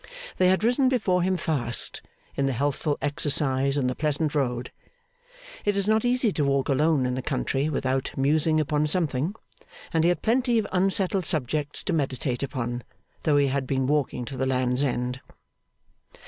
They had risen before him fast, in the healthful exercise and the pleasant road. It is not easy to walk alone in the country without musing upon something. And he had plenty of unsettled subjects to meditate upon, though he had been walking to the Land's End.